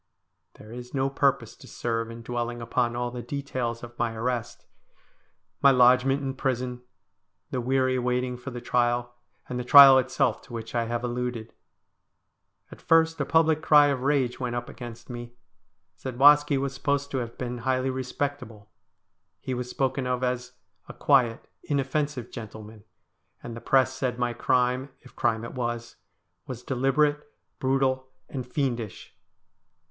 There is no purpose to serve in dwelling upon all the details of my arrest ; my lodgment in prison ; the weary waiting for the trial ; and the trial itself to which I have alluded. At first a public cry of rage went up against me. Zadwaski was supposed to have been highly respectable. He was spoken of as ' a quiet, inoffensive gentleman,' and the Press said my crime, if crime it was, ' was deliberate, brutal, and fiendish.'